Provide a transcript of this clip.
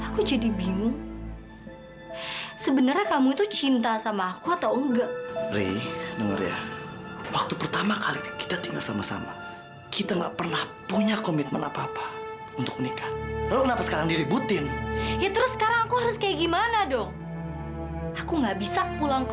kamu ke kamar duluan nanti aku nyusul